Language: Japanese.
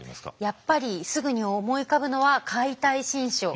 やっぱりすぐに思い浮かぶのは「解体新書」。